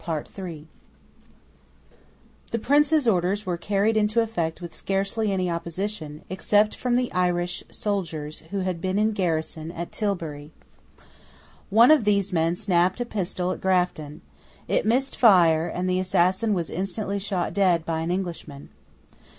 The Prince's orders were carried into effect with scarcely any opposition, except from the Irish soldiers who had been in garrison at Tilbury. One of these men snapped a pistol at Grafton. It missed fire, and the assassin was instantly shot dead by an Englishman.